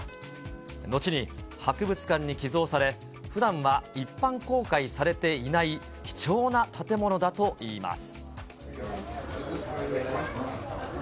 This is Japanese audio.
後に博物館に寄贈され、ふだんは一般公開されていない貴重な建物だといいます。